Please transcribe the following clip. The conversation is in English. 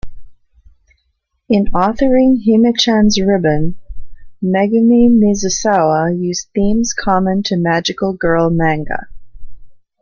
In authoring Hime-chan's Ribbon, Megumi Mizusawa used themes common to magical girl manga.